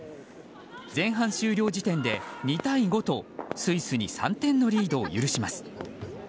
前半終了時点で２対５とスイスに３点のリードを許します。